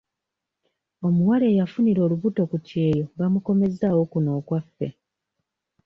Omuwala eyafunira olubuto ku kyeyo bamukomezzaawo kuno okwaffe.